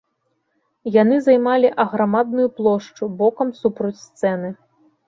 Яны займалі аграмадную плошчу, бокам супроць сцэны.